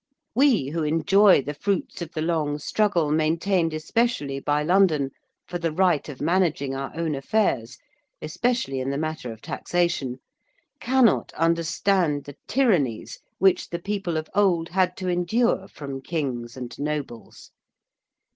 We who enjoy the fruits of the long struggle maintained especially by London for the right of managing our own affairs, especially in the matter of taxation, cannot understand the tyrannies which the people of old had to endure from Kings and nobles.